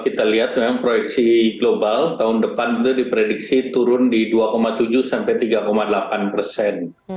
kita lihat memang proyeksi global tahun depan itu diprediksi turun di dua tujuh sampai tiga delapan persen